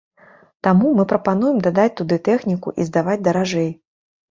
Таму мы прапануем дадаць туды тэхніку і здаваць даражэй.